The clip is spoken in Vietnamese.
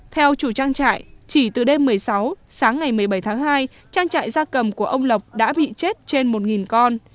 theo chủ trang trại chỉ từ đêm một mươi sáu sáng ngày một mươi bảy tháng hai trang trại gia cầm của ông lộc đã bị chết trên một con